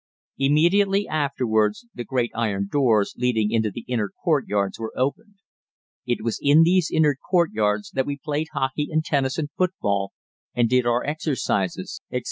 Immediately afterwards the great iron doors leading into the inner courtyards were opened. It was in these inner courtyards that we played hockey and tennis and football, and did our exercises, etc.